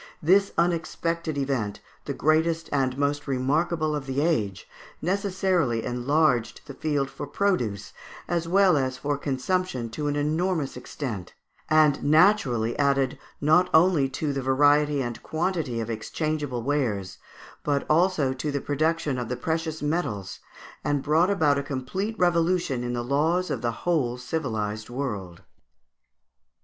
This unexpected event, the greatest and most remarkable of the age, necessarily enlarged the field for produce as well as for consumption to an enormous extent, and naturally added, not only to the variety and quantity of exchangeable wares, but also to the production of the precious metals, and brought about a complete revolution in the laws of the whole civilised world.